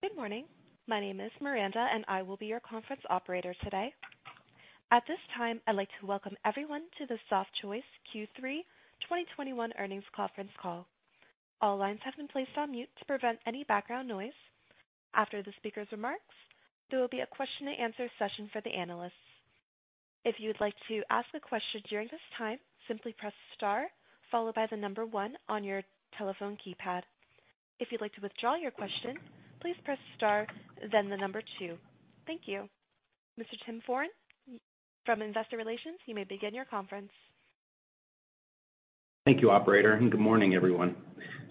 Good morning. My name is Miranda, and I will be your conference operator today. At this time, I'd like to welcome everyone to the Softchoice Q3 2021 earnings conference call. All lines have been placed on mute to prevent any background noise. After the speaker's remarks, there will be a question and answer session for the analysts. If you would like to ask a question during this time, simply press star followed by the number one on your telephone keypad. If you'd like to withdraw your question, please press star, then the number two. Thank you. Mr. Tim Foran from Investor Relations, you may begin your conference. Thank you, operator, and good morning, everyone.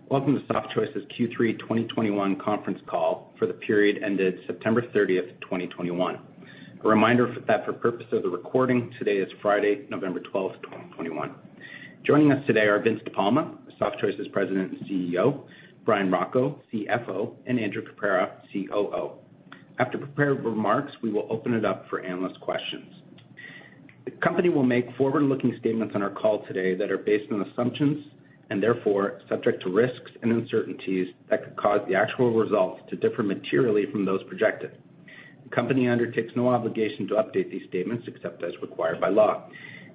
Welcome to Softchoice's Q3 2021 conference call for the period ended 30 September 2021. A reminder that for purpose of the recording, today is Friday, 12 November 2021. Joining us today are Vince De Palma, Softchoice's President and CEO, Bryan Rocco, CFO, and Andrew Caprara, COO. After prepared remarks, we will open it up for analyst questions. The company will make forward-looking statements on our call today that are based on assumptions and therefore subject to risks and uncertainties that could cause the actual results to differ materially from those projected. The company undertakes no obligation to update these statements except as required by law.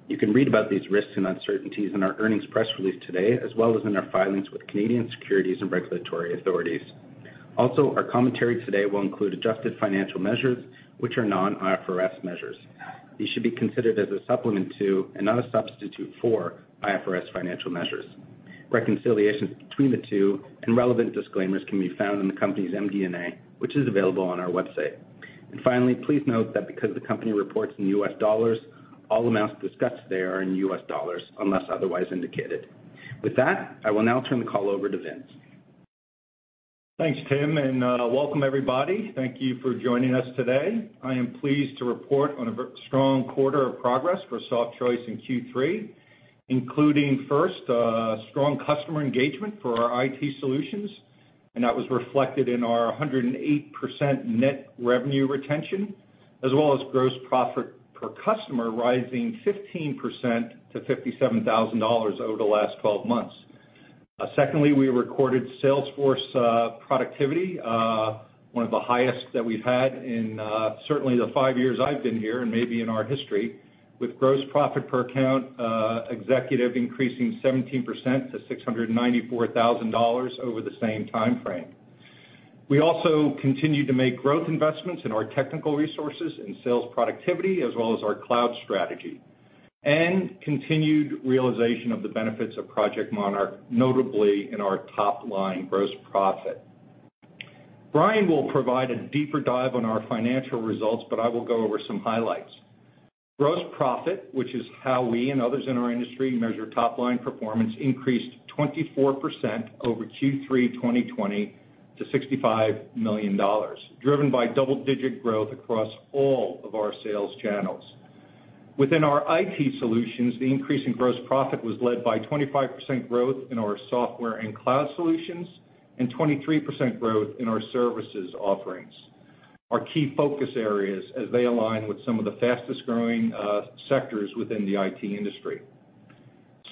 You can read about these risks and uncertainties in our earnings press release today, as well as in our filings with Canadian securities and regulatory authorities. Also, our commentary today will include adjusted financial measures, which are non-IFRS measures. These should be considered as a supplement to and not a substitute for IFRS financial measures. Reconciliations between the two and relevant disclaimers can be found in the company's MD&A, which is available on our website. Finally, please note that because the company reports in US dollars, all amounts discussed today are in US dollars, unless otherwise indicated. With that, I will now turn the call over to Vince. Thanks, Tim, and welcome everybody. Thank you for joining us today. I am pleased to report on a strong quarter of progress for Softchoice in Q3, including first, strong customer engagement for our IT solutions, and that was reflected in our 108% net revenue retention, as well as gross profit per customer rising 15% to $57,000 over the last 12 months. Secondly, we recorded sales force productivity, one of the highest that we've had in certainly the five years I've been here, and maybe in our history, with gross profit per account executive increasing 17% to $694,000 over the same time frame. We also continued to make growth investments in our technical resources and sales productivity, as well as our Cloud strategy, and continued realization of the benefits of Project Monarch, notably in our top-line gross profit. Bryan will provide a deeper dive on our financial results, but I will go over some highlights. Gross profit, which is how we and others in our industry measure top-line performance, increased 24% over Q3 2020 to $65 million, driven by double-digit growth across all of our sales channels. Within our IT solutions, the increase in gross profit was led by 25% growth in our software and Cloud Solutions, and 23% growth in our services offerings. Our key focus areas as they align with some of the fastest-growing sectors within the IT industry.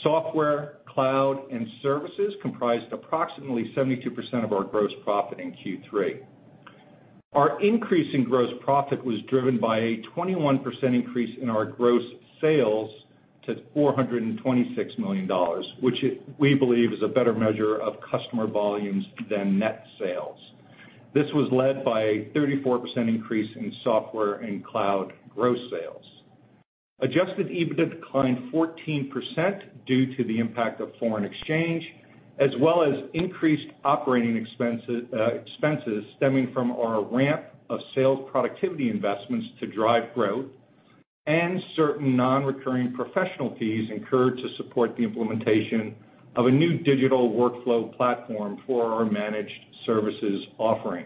Software, Cloud, and services comprised approximately 72% of our gross profit in Q3. Our increase in gross profit was driven by a 21% increase in our gross sales to $426 million, which we believe is a better measure of customer volumes than net sales. This was led by a 34% increase in software and Cloud gross sales. Adjusted EBITDA declined 14% due to the impact of foreign exchange, as well as increased operating expenses stemming from our ramp of sales productivity investments to drive growth and certain non-recurring professional fees incurred to support the implementation of a new digital workflow platform for our managed services offering.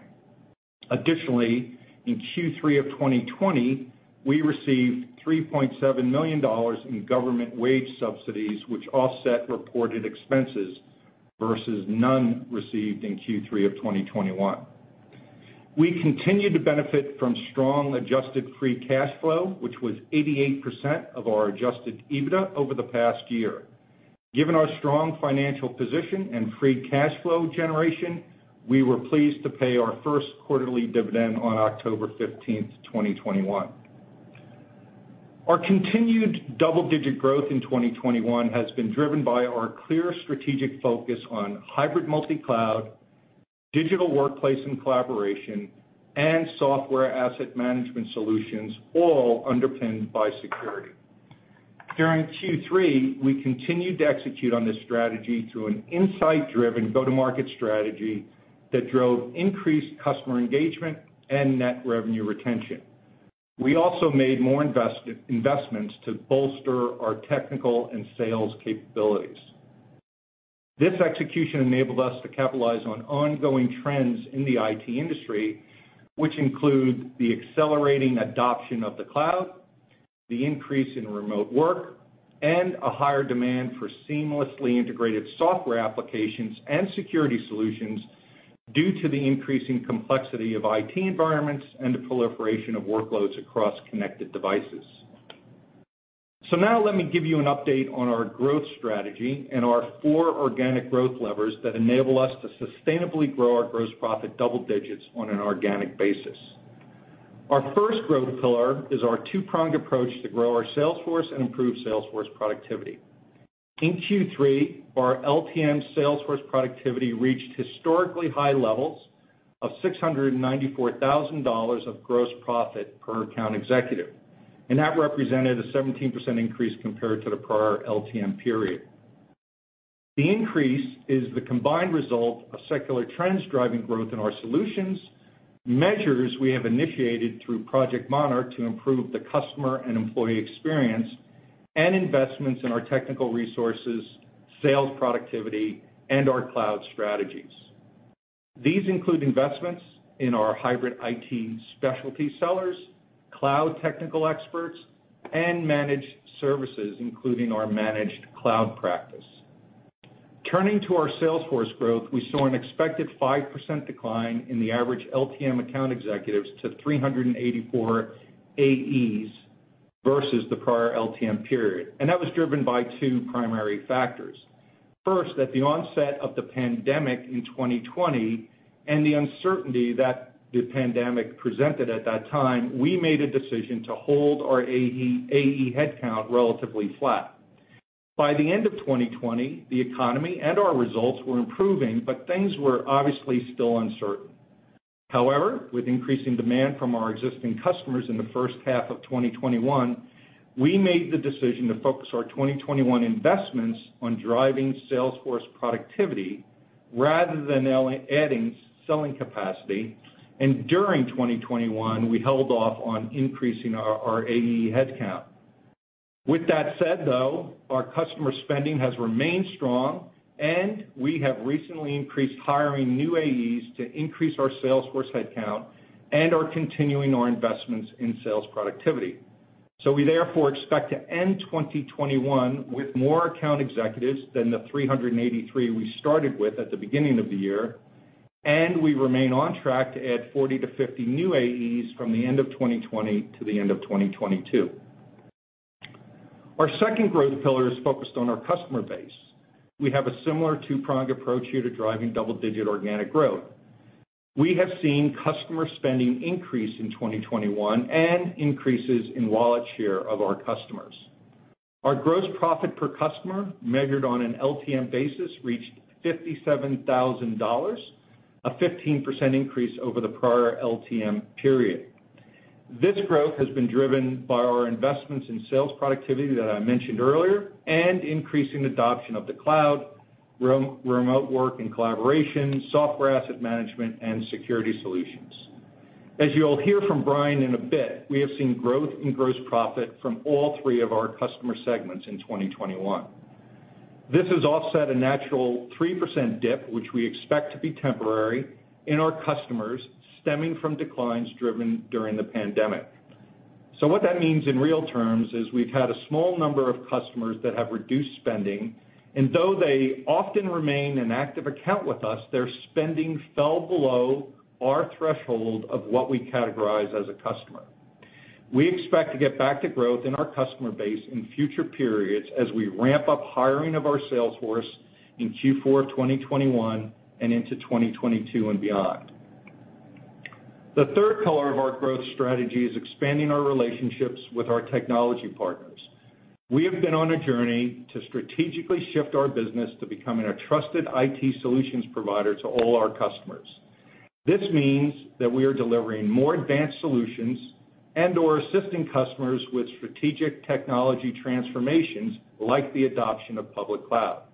Additionally, in Q3 of 2020, we received $3.7 million in government wage subsidies, which offset reported expenses versus none received in Q3 of 2021. We continued to benefit from strong adjusted free cash flow, which was 88% of our adjusted EBITDA over the past year. Given our strong financial position and free cash flow generation, we were pleased to pay our first quarterly dividend dividend on 15 October 2021. Our continued double-digit growth in 2021 has been driven by our clear strategic focus on hybrid multi-Cloud, digital workplace and collaboration, and software asset management solutions, all underpinned by security. During Q3, we continued to execute on this strategy through an insight-driven go-to-market strategy that drove increased customer engagement and net revenue retention. We also made more investments to bolster our technical and sales capabilities. This execution enabled us to capitalize on ongoing trends in the IT industry, which include the accelerating adoption of the Cloud, the increase in remote work, and a higher demand for seamlessly integrated software applications and security solutions due to the increasing complexity of IT environments and the proliferation of workloads across connected devices. Now let me give you an update on our growth strategy and our four organic growth levers that enable us to sustainably grow our gross profit double digits on an organic basis. Our first growth pillar is our two-pronged approach to grow our sales force and improve sales force productivity. In Q3, our LTM sales force productivity reached historically high levels of $694,000 of gross profit per account executive, and that represented a 17% increase compared to the prior LTM period. The increase is the combined result of secular trends driving growth in our solutions, measures we have initiated through Project Monarch to improve the customer and employee experience, and investments in our technical resources, sales productivity, and our Cloud strategies. These include investments in our hybrid IT specialty sellers, Cloud technical experts, and managed services, including our managed Cloud practice. Turning to our sales force growth, we saw an expected 5% decline in the average LTM account executives to 384 AEs versus the prior LTM period, and that was driven by two primary factors. First, at the onset of the pandemic in 2020 and the uncertainty that the pandemic presented at that time, we made a decision to hold our AE headcount relatively flat. By the end of 2020, the economy and our results were improving, but things were obviously still uncertain. However, with increasing demand from our existing customers in the first half of 2021, we made the decision to focus our 2021 investments on driving sales force productivity rather than adding selling capacity, and during 2021, we held off on increasing our AE headcount. With that said, though, our customer spending has remained strong, and we have recently increased hiring new AEs to increase our sales force headcount and are continuing our investments in sales productivity. We therefore expect to end 2021 with more account executives than the 383 we started with at the beginning of the year, and we remain on track to add 40-50 new AEs from the end of 2020 to the end of 2022. Our second growth pillar is focused on our customer base. We have a similar two-pronged approach here to driving double-digit organic growth. We have seen customer spending increase in 2021 and increases in wallet share of our customers. Our gross profit per customer, measured on an LTM basis, reached $57,000, a 15% increase over the prior LTM period. This growth has been driven by our investments in sales productivity that I mentioned earlier and increasing adoption of the Cloud, remote work and collaboration, software asset management, and security solutions. As you'll hear from Bryan in a bit, we have seen growth in gross profit from all three of our customer segments in 2021. This has offset a natural 3% dip, which we expect to be temporary, in our customers stemming from declines driven during the pandemic. What that means in real terms is we've had a small number of customers that have reduced spending, and though they often remain an active account with us, their spending fell below our threshold of what we categorize as a customer. We expect to get back to growth in our customer base in future periods as we ramp up hiring of our sales force in Q4 of 2021 and into 2022 and beyond. The third pillar of our growth strategy is expanding our relationships with our technology partners. We have been on a journey to strategically shift our business to becoming a trusted IT solutions provider to all our customers. This means that we are delivering more advanced solutions and/or assisting customers with strategic technology transformations like the adoption of public Cloud.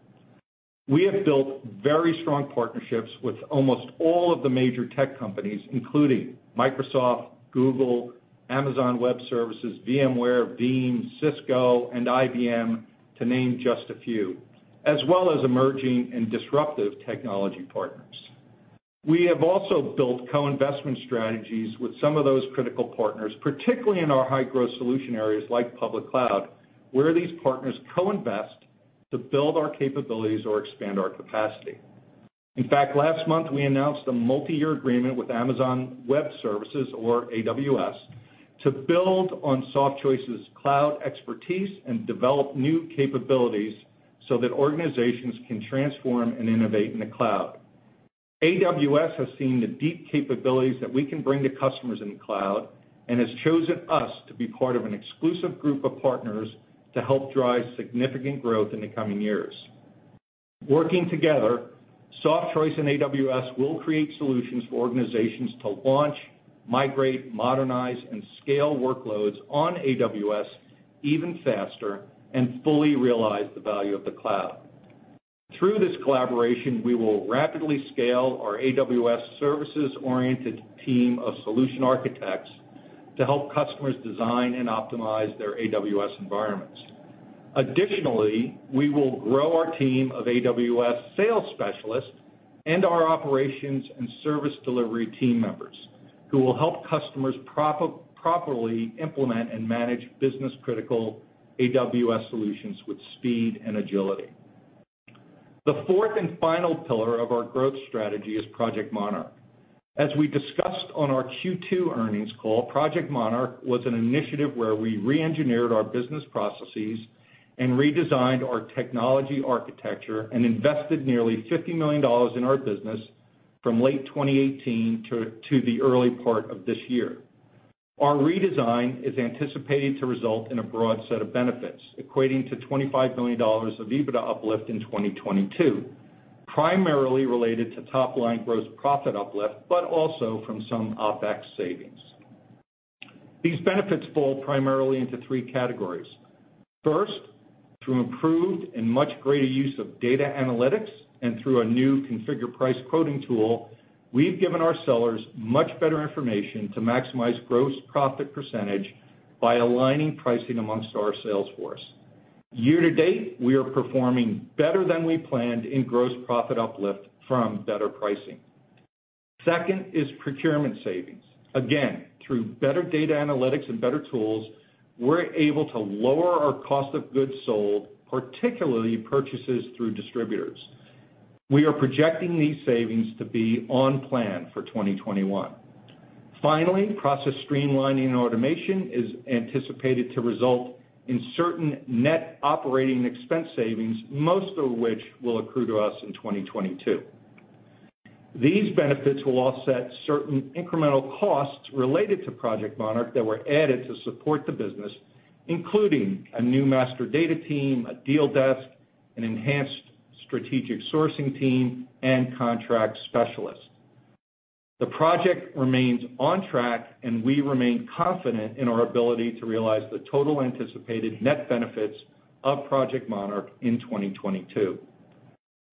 We have built very strong partnerships with almost all of the major tech companies, including Microsoft, Google, Amazon Web Services, VMware, Veeam, Cisco, and IBM, to name just a few, as well as emerging and disruptive technology partners. We have also built co-investment strategies with some of those critical partners, particularly in our high-growth solution areas like public Cloud, where these partners co-invest to build our capabilities or expand our capacity. In fact, last month, we announced a multiyear agreement with Amazon Web Services, or AWS, to build on Softchoice's Cloud expertise and develop new capabilities so that organizations can transform and innovate in the Cloud. AWS has seen the deep capabilities that we can bring to customers in the Cloud and has chosen us to be part of an exclusive group of partners to help drive significant growth in the coming years. Working together, Softchoice and AWS will create solutions for organizations to launch, migrate, modernize, and scale workloads on AWS even faster and fully realize the value of the Cloud. Through this collaboration, we will rapidly scale our AWS services-oriented team of solution architects to help customers design and optimize their AWS environments. Additionally, we will grow our team of AWS sales specialists and our operations and service delivery team members who will help customers properly implement and manage business-critical AWS solutions with speed and agility. The fourth and final pillar of our growth strategy is Project Monarch. As we discussed on our Q2 earnings call, Project Monarch was an initiative where we re-engineered our business processes and redesigned our technology architecture and invested nearly $50 million in our business from late 2018 to the early part of this year. Our redesign is anticipated to result in a broad set of benefits, equating to $25 million of EBITDA uplift in 2022, primarily related to top line gross profit uplift, but also from some OpEx savings. These benefits fall primarily into three categories. First, through improved and much greater use of data analytics and through a new Configure Price Quote tool, we've given our sellers much better information to maximize gross profit percentage by aligning pricing among our sales force. Year to date, we are performing better than we planned in gross profit uplift from better pricing. Second is procurement savings. Again, through better data analytics and better tools, we're able to lower our cost of goods sold, particularly purchases through distributors. We are projecting these savings to be on plan for 2021. Finally, process streamlining and automation is anticipated to result in certain net operating expense savings, most of which will accrue to us in 2022. These benefits will offset certain incremental costs related to Project Monarch that were added to support the business, including a new master data team, a deal desk, an enhanced strategic sourcing team, and contract specialists. The project remains on track, and we remain confident in our ability to realize the total anticipated net benefits of Project Monarch in 2022.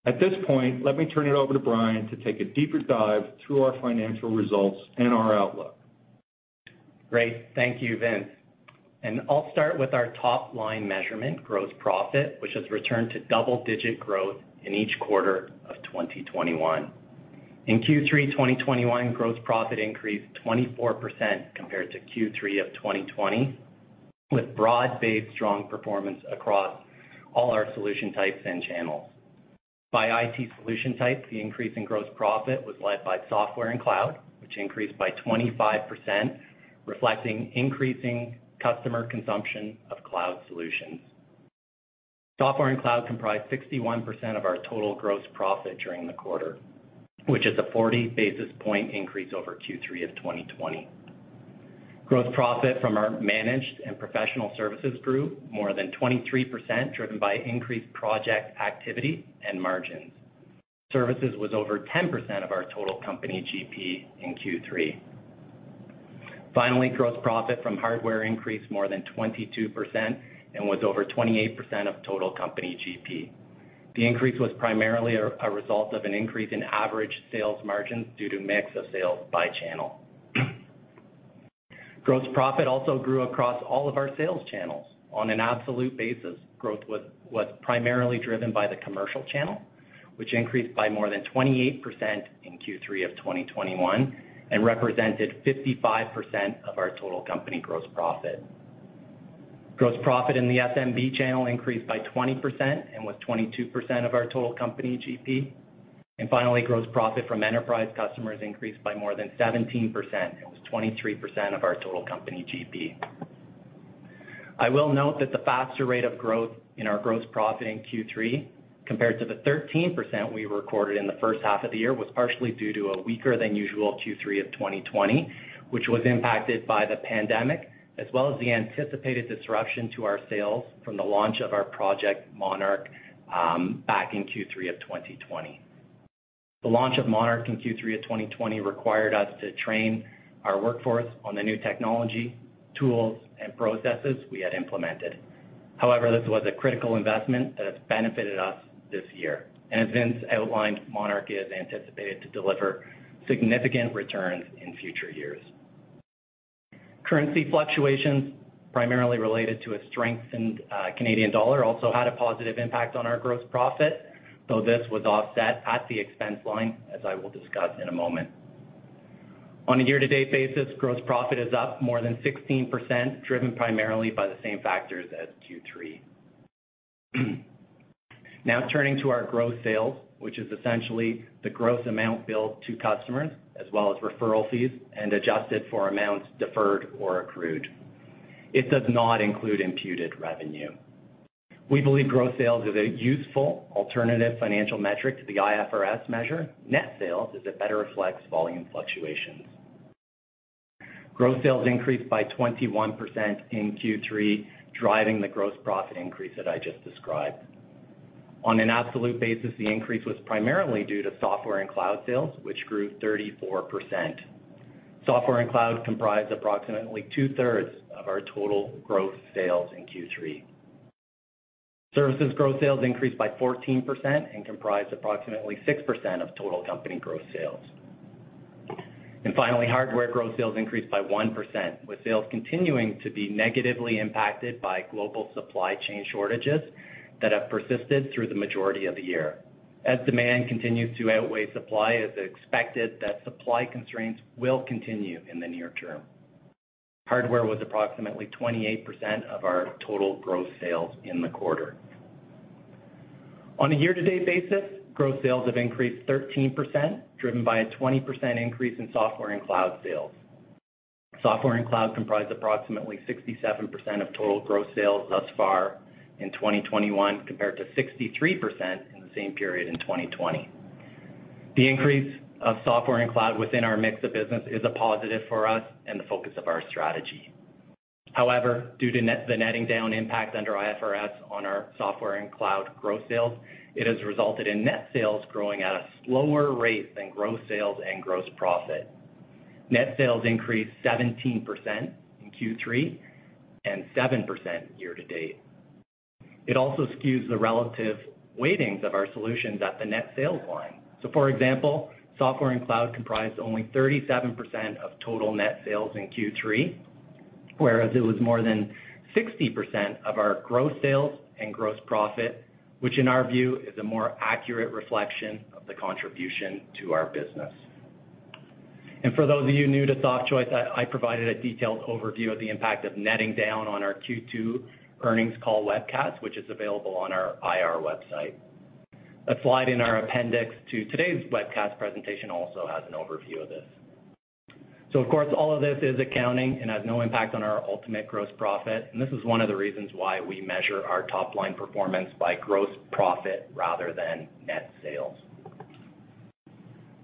At this point, let me turn it over to Bryan to take a deeper dive through our financial results and our outlook. Great. Thank you, Vince. I'll start with our top line measurement, gross profit, which has returned to double-digit growth in each quarter of 2021. In Q3 2021, gross profit increased 24% compared to Q3 of 2020, with broad-based strong performance across all our solution types and channels. By IT solution type, the increase in gross profit was led by software and Cloud, which increased by 25%, reflecting increasing customer consumption of Cloud Solutions. Software and Cloud comprised 61% of our total gross profit during the quarter, which is a 40 basis point increase over Q3 of 2020. Gross profit from our managed and professional services grew more than 23%, driven by increased project activity and margins. Services was over 10% of our total company GP in Q3. Finally, gross profit from hardware increased more than 22% and was over 28% of total company GP. The increase was primarily a result of an increase in average sales margins due to mix of sales by channel. Gross profit also grew across all of our sales channels. On an absolute basis, growth was primarily driven by the commercial channel, which increased by more than 28% in Q3 of 2021 and represented 55% of our total company gross profit. Gross profit in the SMB channel increased by 20% and was 22% of our total company GP. Finally, gross profit from enterprise customers increased by more than 17% it was 23% of our total company GP. I will note that the faster rate of growth in our gross profit in Q3 compared to the 13% we recorded in the first half of the year was partially due to a weaker than usual Q3 of 2020, which was impacted by the pandemic, as well as the anticipated disruption to our sales from the launch of our Project Monarch back in Q3 of 2020. The launch of Monarch in Q3 of 2020 required us to train our workforce on the new technology, tools, and processes we had implemented. However, this was a critical investment that has benefited us this year and as Vince outlined, Monarch is anticipated to deliver significant returns in future years. Currency fluctuations, primarily related to a strengthened Canadian dollar, also had a positive impact on our gross profit, though this was offset at the expense line, as I will discuss in a moment. On a year-to-date basis, gross profit is up more than 16%, driven primarily by the same factors as Q3. Now turning to our gross sales, which is essentially the gross amount billed to customers as well as referral fees and adjusted for amounts deferred or accrued. It does not include imputed revenue. We believe gross sales is a useful alternative financial metric to the IFRS measure of net sales, as it better reflects volume fluctuations. Gross sales increased by 21% in Q3, driving the gross profit increase that I just described. On an absolute basis, the increase was primarily due to software and Cloud sales, which grew 34%. Software and Cloud comprised approximately 2/3 of our total growth sales in Q3. Services growth sales increased by 14% and comprised approximately 6% of total company growth sales. Finally, hardware growth sales increased by 1%, with sales continuing to be negatively impacted by global supply chain shortages that have persisted through the majority of the year. As demand continues to outweigh supply, it's expected that supply constraints will continue in the near term. Hardware was approximately 28% of our total gross sales in the quarter. On a year-to-date basis, gross sales have increased 13%, driven by a 20% increase in software and Cloud sales. Software and Cloud comprise approximately 67% of total gross sales thus far in 2021 compared to 63% in the same period in 2020. The increase of software and Cloud within our mix of business is a positive for us and the focus of our strategy. However, due to the netting down impact under IFRS on our software and Cloud gross sales, it has resulted in net sales growing at a slower rate than gross sales and gross profit. Net sales increased 17% in Q3 and 7% year-to-date. It also skews the relative weightings of our solutions at the net sales line. For example, software and Cloud comprised only 37% of total net sales in Q3, whereas it was more than 60% of our gross sales and gross profit, which in our view is a more accurate reflection of the contribution to our business. For those of you new to Softchoice, I provided a detailed overview of the impact of netting down on our Q2 earnings call webcast, which is available on our IR website. A slide in our appendix to today's webcast presentation also has an overview of this. Of course, all of this is accounting and has no impact on our ultimate gross profit, and this is one of the reasons why we measure our top-line performance by gross profit rather than net sales.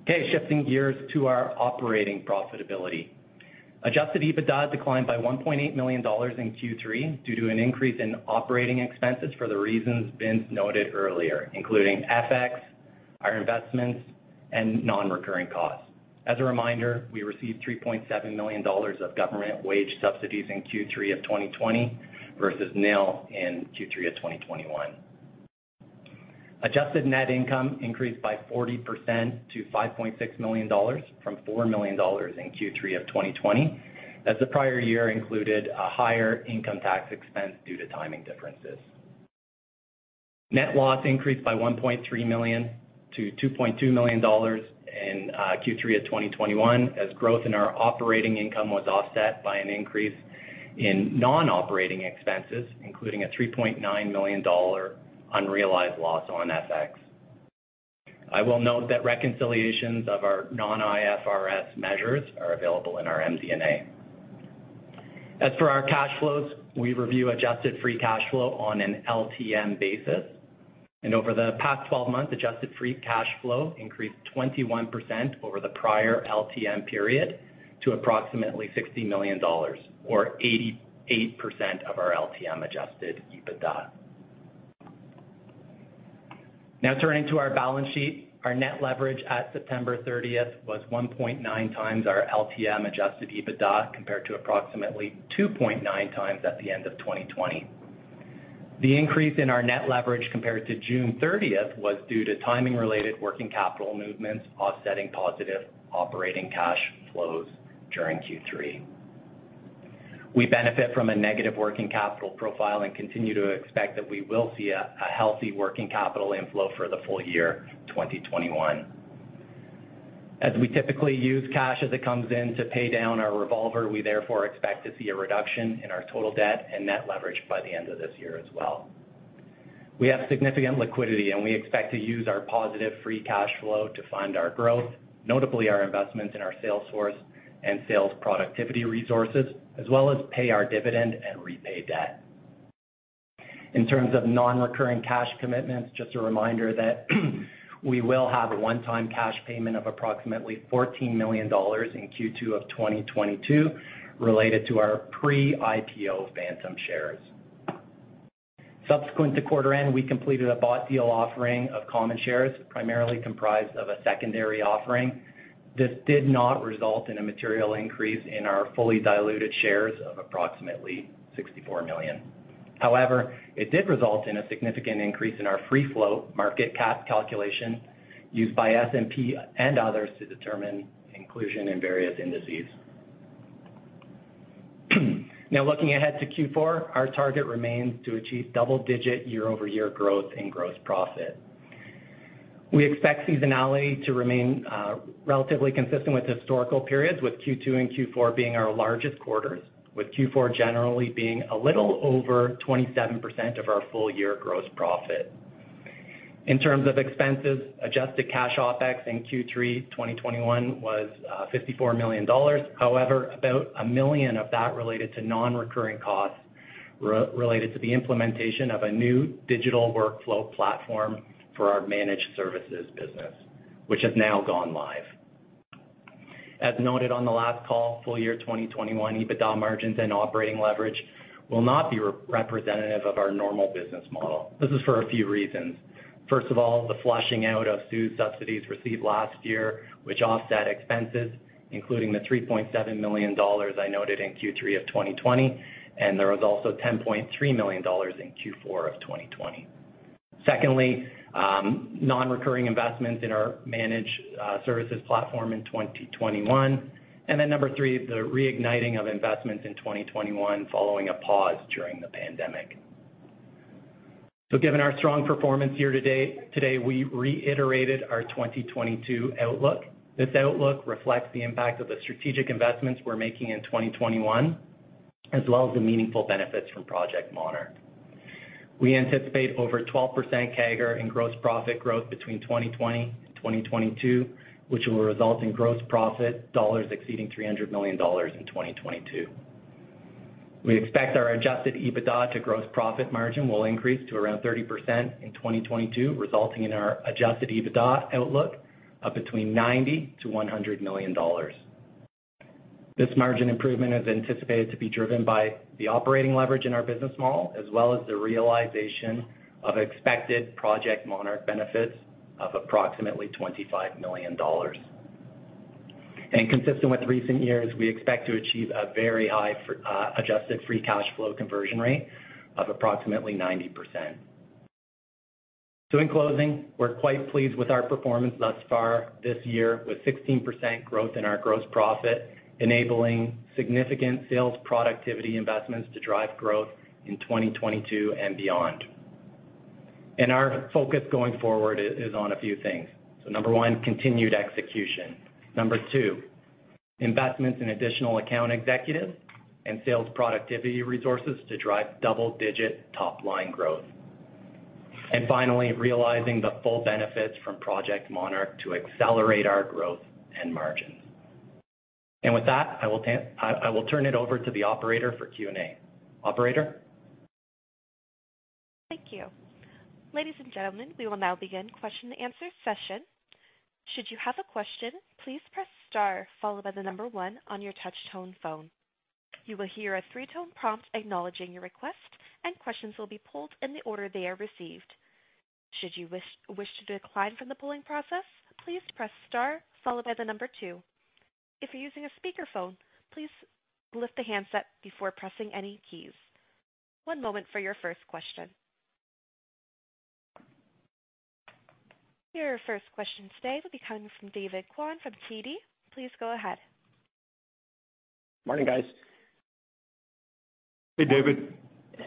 Okay, shifting gears to our operating profitability. Adjusted EBITDA declined by $1.8 million in Q3 due to an increase in operating expenses for the reasons Vince noted earlier, including FX, our investments, and non-recurring costs. As a reminder, we received $3.7 million of government wage subsidies in Q3 of 2020 versus nil in Q3 of 2021. Adjusted net income increased by 40% to $5.6 million from $4 million in Q3 of 2020, as the prior year included a higher income tax expense due to timing differences. Net loss increased by $1.3 million to $2.2 million in Q3 of 2021 as growth in our operating income was offset by an increase in non-operating expenses, including a $3.9 million unrealized loss on FX. I will note that reconciliations of our non-IFRS measures are available in our MD&A. As for our cash flows, we review adjusted free cash flow on an LTM basis. Over the past 12 months, adjusted free cash flow increased 21% over the prior LTM period to approximately $60 million or 88% of our LTM adjusted EBITDA. Now turning to our balance sheet. Our net leverage at September 30 was 1.9x our LTM adjusted EBITDA compared to approximately 2.9x at the end of 2020. The increase in our net leverage compared to 30 June was due to timing related working capital movements offsetting positive operating cash flows during Q3. We benefit from a negative working capital profile and continue to expect that we will see a healthy working capital inflow for the full year 2021. As we typically use cash as it comes in to pay down our revolver, we therefore expect to see a reduction in our total debt and net leverage by the end of this year as well. We have significant liquidity, and we expect to use our positive free cash flow to fund our growth, notably our investments in our sales force and sales productivity resources, as well as pay our dividend and repay debt. In terms of non-recurring cash commitments, just a reminder that we will have a one-time cash payment of approximately $14 million in Q2 of 2022 related to our pre-IPO phantom shares. Subsequent to quarter end, we completed a bought deal offering of common shares, primarily comprised of a secondary offering. This did not result in a material increase in our fully diluted shares of approximately $64 million. However, it did result in a significant increase in our free float market cap calculation used by S&P and others to determine inclusion in various indices. Now looking ahead to Q4, our target remains to achieve double-digit year-over-year growth in gross profit. We expect seasonality to remain relatively consistent with historical periods, with Q2 and Q4 being our largest quarters, with Q4 generally being a little over 27% of our full-year gross profit. In terms of expenses, adjusted cash OpEx in Q3 2021 was $54 million however, about $1 million of that related to non-recurring costs related to the implementation of a new digital workflow platform for our managed services business, which has now gone live. As noted on the last call, full year 2021 EBITDA margins and operating leverage will not be representative of our normal business model this is for a few reasons. First of all, the flushing out of CEWS subsidies received last year, which offset expenses, including the $3.7 million I noted in Q3 of 2020, and there was also $10.3 million in Q4 of 2020. Secondly, non-recurring investments in our managed services platform in 2021. Number three, the reigniting of investments in 2021 following a pause during the pandemic. Given our strong performance year to date, today, we reiterated our 2022 outlook. This outlook reflects the impact of the strategic investments we're making in 2021 as well as the meaningful benefits from Project Monarch. We anticipate over 12% CAGR in gross profit growth between 2020 and 2022, which will result in gross profit exceeding $300 million in 2022. We expect our adjusted EBITDA to gross profit margin will increase to around 30% in 2022, resulting in our adjusted EBITDA outlook of between $90 to 100 million. This margin improvement is anticipated to be driven by the operating leverage in our business model as well as the realization of expected Project Monarch benefits of approximately $25 million. Consistent with recent years, we expect to achieve a very high, adjusted free cash flow conversion rate of approximately 90%. In closing, we're quite pleased with our performance thus far this year, with 16% growth in our gross profit, enabling significant sales productivity investments to drive growth in 2022 and beyond. Our focus going forward is on a few things. Number one, continued execution. Number two, investments in additional account executives and sales productivity resources to drive double-digit top line growth. Finally, realizing the full benefits from Project Monarch to accelerate our growth and margins. With that, I will turn it over to the operator for Q&A. Operator? Thank you. Ladies and gentlemen, we will now begin the question and answer session. Should you have a question, please press star followed by the number one on your touch tone phone. You will hear a 3-tone prompt acknowledging your request, and questions will be pulled in the order they are received. Should you wish to decline from the polling process, please press star followed by the number two. If you're using a speakerphone, please lift the handset before pressing any keys. One moment for your first question. Your first question today will be coming from David Kwan from TD. Please go ahead. Morning, guys. Hey, David.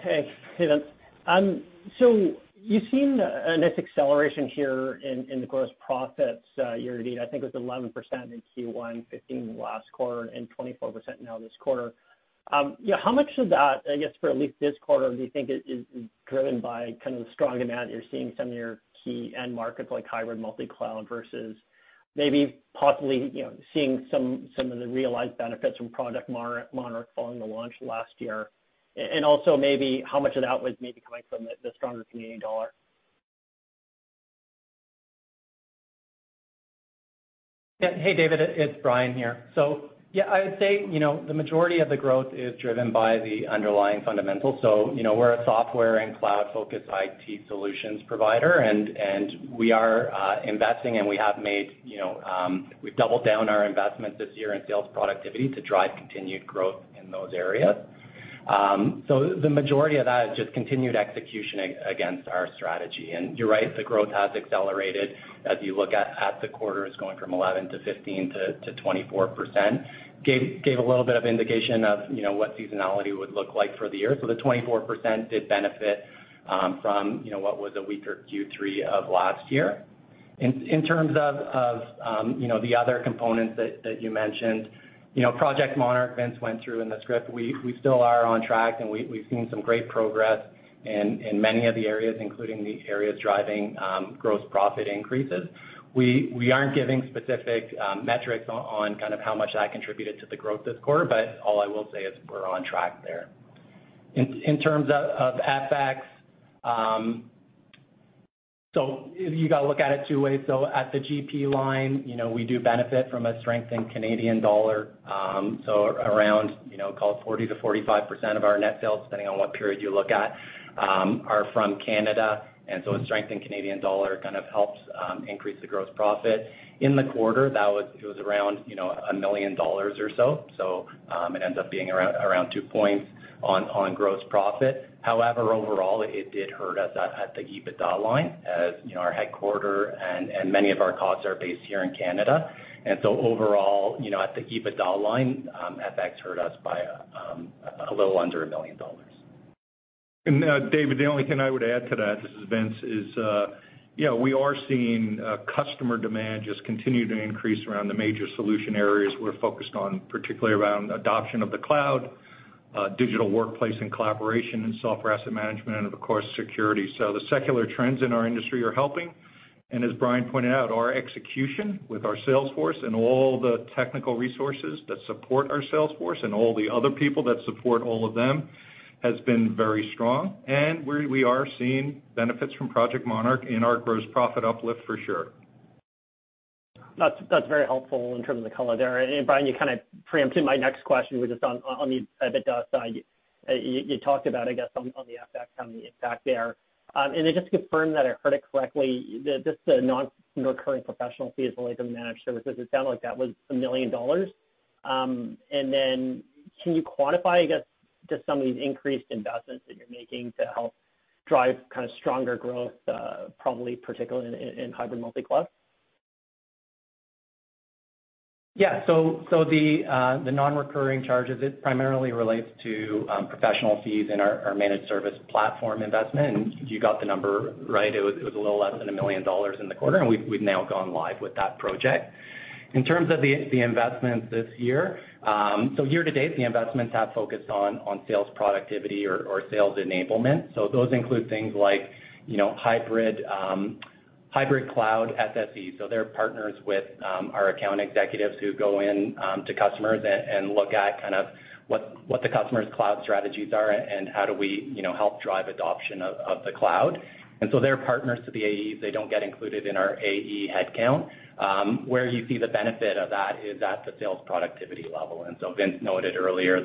Hey, Vince. So you've seen a nice acceleration here in the gross profits year-to-date i think it was 11% in Q1, 15% last quarter, and 24% now this quarter. How much of that, I guess, for at least this quarter, do you think is driven by kind of the strong demand you're seeing in some of your key end markets like hybrid multi-Cloud versus maybe possibly, you know, seeing some of the realized benefits from Project Monarch following the launch last year? And also maybe how much of that was maybe coming from the stronger Canadian dollar? Yeah. Hey, David. It's Bryan here. Yeah, I would say, you know, the majority of the growth is driven by the underlying fundamentals so you know, we're a software and Cloud-focused IT solutions provider, and we are investing, and we have made, you know, we've doubled down our investment this year in sales productivity to drive continued growth in those areas. The majority of that is just continued execution against our strategy and you're right, the growth has accelerated as you look at the quarters going from 11% to 15% to 24%. Gave a little bit of indication of, you know, what seasonality would look like for the year the 24% did benefit from, you know, what was a weaker Q3 of last year. In terms of the other components that you mentioned, you know, Project Monarch, Vince went through in the script and we still are on track, and we've seen some great progress in many of the areas, including the areas driving gross profit increases. We aren't giving specific metrics on kind of how much that contributed to the growth this quarter, but all I will say is we're on track there. In terms of FX, so you gotta look at it two ways so at the GP line, you know, we do benefit from a strengthened Canadian dollar, so around, you know, call it 40% to 45% of our net sales, depending on what period you look at, are from Canada. A strengthened Canadian dollar kind of helps increase the gross profit. In the quarter, that was around, you know, $1 million or so. It ends up being around 2 points on gross profit. However, overall, it did hurt us at the EBITDA line, as you know, our headquarters and many of our costs are based here in Canada. Overall, you know, at the EBITDA line, FX hurt us by a little under $1 million. David, the only thing I would add to that, this is Vince, is yeah, we are seeing customer demand just continue to increase around the major solution areas we're focused on, particularly around adoption of the Cloud, digital workplace and collaboration, and software asset management, and of course, security. The secular trends in our industry are helping. As Bryan pointed out, our execution with our sales force and all the technical resources that support our sales force and all the other people that support all of them has been very strong and we are seeing benefits from Project Monarch in our gross profit uplift for sure. That's very helpful in terms of the color there. Bryan, you kind of preempted my next question, which is on the EBITDA side. You talked about, I guess, on the FX and the impact there. Then just to confirm that I heard it correctly, just the non-recurring professional fees related to managed services, it sounded like that was $1 million. Then can you quantify, I guess, just some of these increased investments that you're making to help drive kind of stronger growth, probably particularly in hybrid multi-Cloud? Yeah. The non-recurring charges, it primarily relates to professional fees in our managed service platform investment you got the number, right. It was a little less than $1 million in the quarter, and we've now gone live with that project. In terms of the investments this year-to-date, the investments have focused on sales productivity or sales enablement. Those include things like, you know, Hybrid Cloud SEs. They're partners with our account executives who go in to customers and look at kind of what the customer's Cloud strategies are and how do we, you know, help drive adoption of the Cloud. They're partners to the AE they don't get included in our AE headcount. Where you see the benefit of that is at the sales productivity level and so Vince noted earlier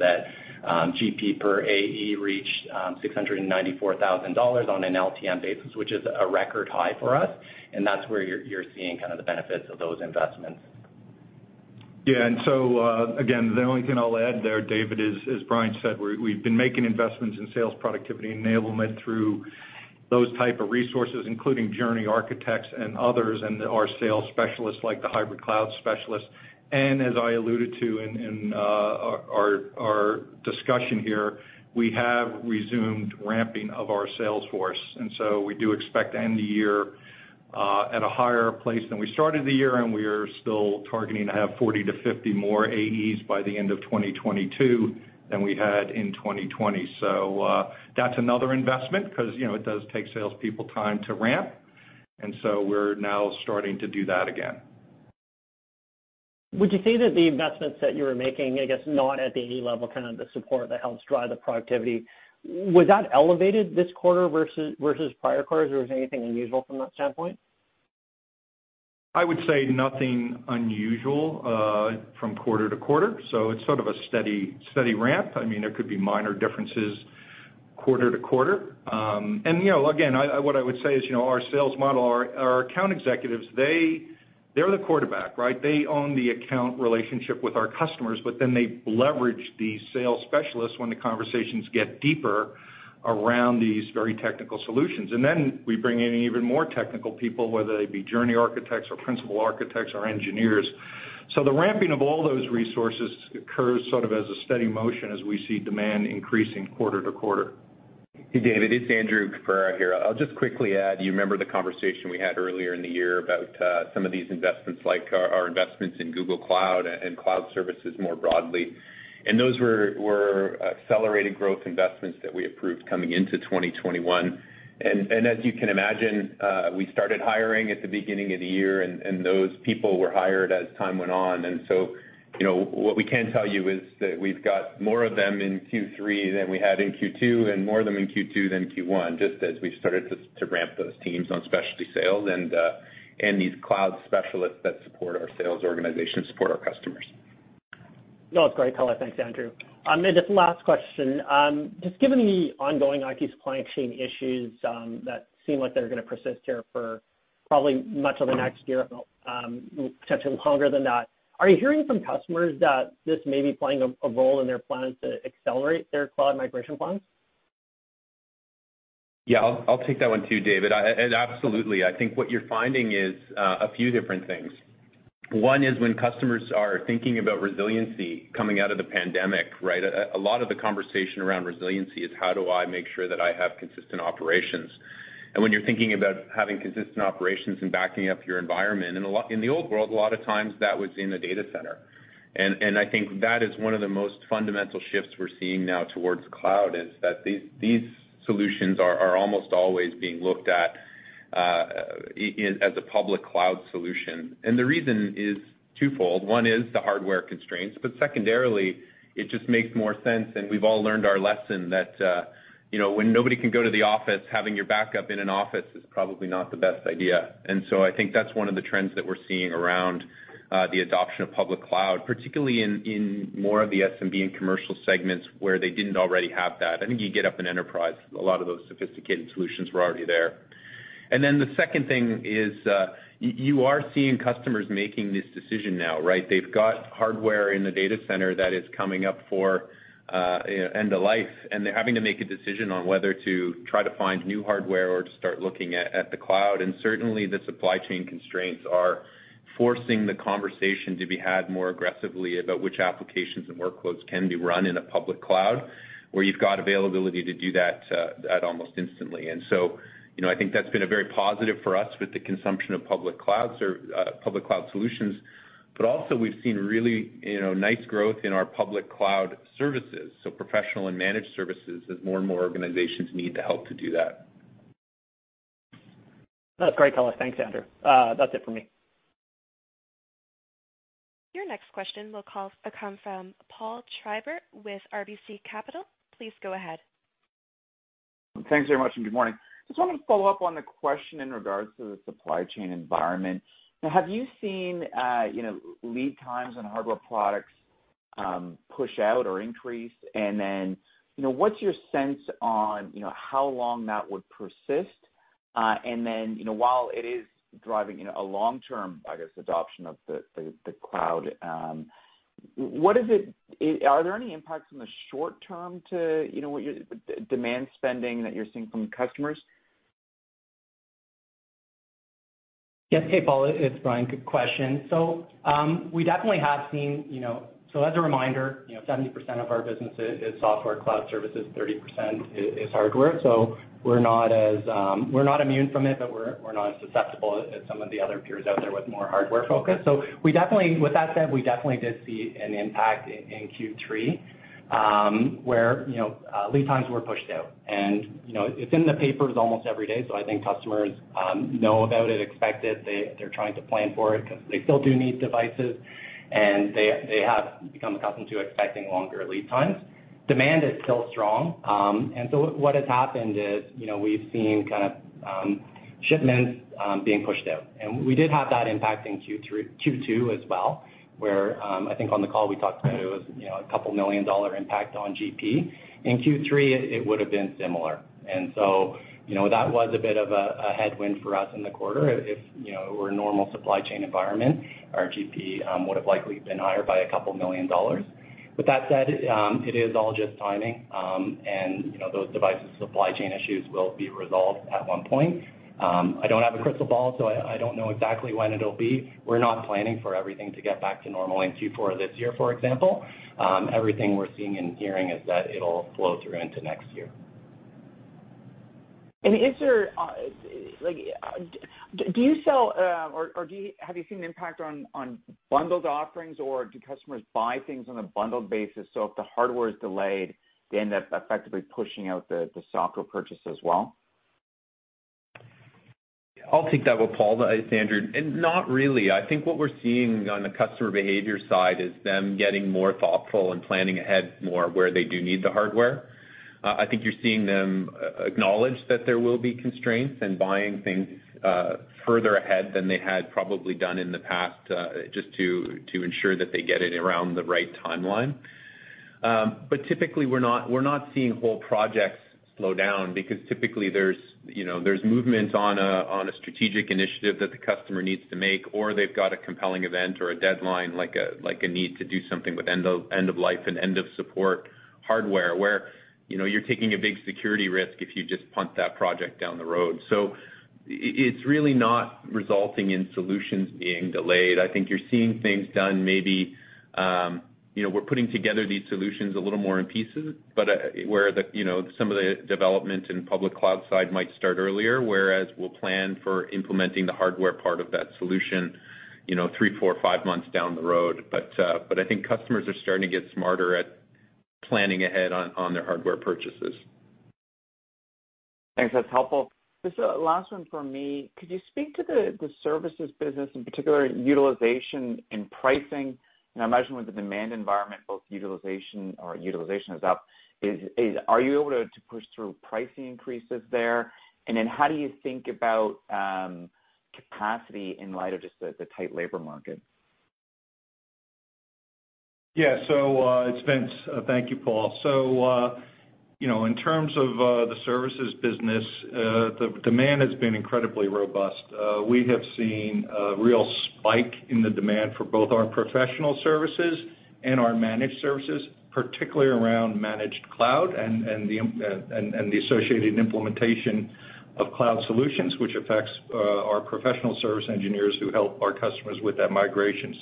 that GP per AE reached $694,000 on an LTM basis, which is a record high for us. That's where you're seeing kind of the benefits of those investments. Yeah. Again, the only thing I'll add there, David, is as Bryan said, we've been making investments in sales productivity enablement through those type of resources, including journey architects and others, and our sales specialists, like the hybrid Cloud specialists. As I alluded to in our discussion here, we have resumed ramping of our sales force and so we do expect to end the year at a higher place than we started the year, and we are still targeting to have 40-50 more AEs by the end of 2022 than we had in 2020. That's another investment because, you know, it does take salespeople time to ramp. We're now starting to do that again. Would you say that the investments that you were making, I guess, not at the AE level, kind of the support that helps drive the productivity, was that elevated this quarter versus prior quarters, or was there anything unusual from that standpoint? I would say nothing unusual from quarter-to-quarter. It's sort of a steady ramp. I mean, there could be minor differences quarter-to-quarter. You know, again, what I would say is, you know, our sales model, our account executives, they're the quarterback, right? They own the account relationship with our customers, but then they leverage the sales specialists when the conversations get deeper- -around these very technical solutions then we bring in even more technical people, whether they be journey architects or principal architects or engineers. The ramping of all those resources occurs sort of as a steady motion as we see demand increasing quarter-to-quarter. Hey, David, it's Andrew Caprara here. I'll just quickly add, you remember the conversation we had earlier in the year about some of these investments, like our investments in Google Cloud and Cloud services more broadly, and those were accelerating growth investment that we approved coming in 2021. As you can imagine, we started hiring at the beginning of the year, and those people were hired as time went on. You know, what we can tell you is that we've got more of them in Q3 than we had in Q2, and more of them in Q2 than Q1, just as we started to ramp those teams on specialty sales and these Cloud specialists that support our sales organization support our customers. No, it's great color thanks, Andrew. Just last question. Just given the ongoing IT supply chain issues, that seem like they're gonna persist here for probably much of the next year, potentially longer than that, are you hearing from customers that this may be playing a role in their plans to accelerate their Cloud migration plans? Yeah. I'll take that one too, David. Absolutely. I think what you're finding is a few different things. One is when customers are thinking about resiliency coming out of the pandemic, right? A lot of the conversation around resiliency is how do I make sure that I have consistent operations? When you're thinking about having consistent operations and backing up your environment, in the old world, a lot of times that was in the data center. I think that is one of the most fundamental shifts we're seeing now towards Cloud, is that these solutions are almost always being looked at as a public Cloud solution. The reason is twofold. One is the hardware constraints, but secondarily, it just makes more sense. We've all learned our lesson that, you know, when nobody can go to the office, having your backup in an office is probably not the best idea. I think that's one of the trends that we're seeing around the adoption of public Cloud, particularly in more of the SMB and commercial segments where they didn't already have that i think you get up in enterprise, a lot of those sophisticated solutions were already there. The second thing is, you are seeing customers making this decision now, right? They've got hardware in the data center that is coming up for end of life, and they're having to make a decision on whether to try to find new hardware or to start looking at the Cloud and certainly the supply chain constraints are forcing the conversation to be had more aggressively about which applications and workloads can be run in a public Cloud, where you've got availability to do that almost instantly. You know, I think that's been a very positive for us with the consumption of public Cloud Solutions. We've seen really, you know, nice growth in our public Cloud services, so professional and managed services as more and more organizations need the help to do that. That's great color. Thanks, Andrew. That's it for me. Your next question will come from Paul Treiber with RBC Capital. Please go ahead. Thanks very much, and good morning. Just wanted to follow up on the question in regards to the supply chain environment. Have you seen, you know, lead times on hardware products push out or increase? You know, what's your sense on, you know, how long that would persist? You know, while it is driving, you know, a long term, I guess, adoption of the Cloud, what is it? Are there any impacts in the short term to, you know, demand spending that you're seeing from customers? Yes. Hey, Paul, it's Bryan. Good question. We definitely have seen, you know. As a reminder, you know 70% of our business is software Cloud services, 30% is hardware. We're not as, we're not immune from it, but we're not as susceptible as some of the other peers out there with more hardware focus. We definitely with that said, we definitely did see an impact in Q3, where, you know, lead times were pushed out. It's in the papers almost every day, so I think customers know about it, expect it they're trying to plan for it because they still do need devices, and they have become accustomed to expecting longer lead times. Demand is still strong. What has happened is, you know, we've seen kind of shipments being pushed out and we did have that impact in Q2 as well, where I think on the call we talked about it was, you know, a $2 million impact on GP. In Q3, it would've been similar. That was a bit of a headwind for us in the quarter if we're in a normal supply chain environment, our GP would've likely been higher by $2 million. With that said, it is all just timing, and you know, those devices supply chain issues will be resolved at one point. I don't have a crystal ball, so I don't know exactly when it'll be. We're not planning for everything to get back to normal in Q4 this year, for example. Everything we're seeing and hearing is that it'll flow through into next year. Have you seen an impact on bundled offerings? or do customers buy things on a bundled basis? If the hardware is delayed, they end up effectively pushing out the software purchase as well. I'll take that one, Paul. It's Andrew. Not really. I think what we're seeing on the customer behavior side is them getting more thoughtful and planning ahead more where they do need the hardware? I think you're seeing them acknowledge that there will be constraints and buying things further ahead than they had probably done in the past just to ensure that they get it around the right timeline. Typically we're not seeing whole projects slow down because typically you know there's movement on a strategic initiative that the customer needs to make, or they've got a compelling event or a deadline, like a need to do something with end of life and end of support hardware, where you know you're taking a big security risk if you just punt that project down the road. It's really not resulting in solutions being delayed i think you're seeing things done maybe, you know, we're putting together these solutions a little more in pieces, but where the, you know, some of the development in public Cloud side might start earlier, whereas we'll plan for implementing the hardware part of that solution, you know, three, four, five months down the road but I think customers are starting to get smarter at planning ahead on their hardware purchases. Thanks. That's helpful. Just a last one from me. Could you speak to the services business, in particular utilization and pricing? And I imagine with the demand environment, both utilization is up. Are you able to push through pricing increases there? And then how do you think about capacity in light of the tight labor market? Yeah. It's Vince. Thank you, Paul. You know, in terms of the services business, the demand has been incredibly robust. We have seen a real spike in the demand for both our professional services and our managed services, particularly around managed Cloud and the associated implementation of Cloud Solutions, which affects our professional service engineers who help our customers with that migration.